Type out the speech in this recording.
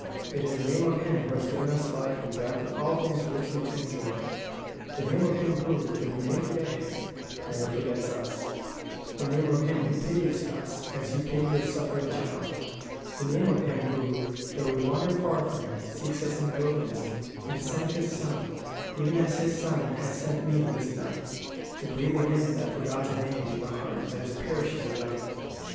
It is the name of Him who has given us life and breath and all things richly to enjoy; the name of Him who, though we may forget Him, never forgets us; the name of Him who pities us as you pity your suffering child; the name of Him who, though we wander far from Him, seeks us in the wilderness, and sent His Son, even as His Son has sent me this night, to breathe again that forgotten name in the heart that is perishing without it.